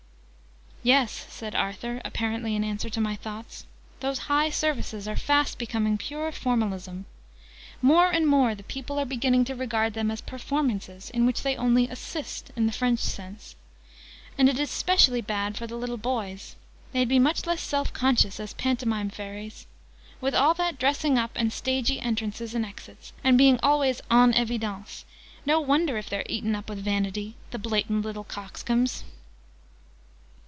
"Yes," said Arthur, apparently in answer to my thoughts, "those 'high' services are fast becoming pure Formalism. More and more the people are beginning to regard them as 'performances,' in which they only 'assist' in the French sense. And it is specially bad for the little boys. They'd be much less self conscious as pantomime fairies. With all that dressing up, and stagy entrances and exits, and being always en evidence, no wonder if they're eaten up with vanity, the blatant little coxcombs!"